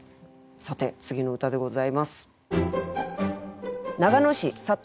さて次の歌でございます。